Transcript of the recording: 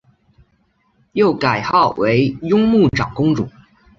又改号为雍穆长公主。